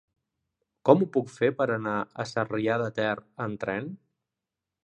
Com ho puc fer per anar a Sarrià de Ter amb tren?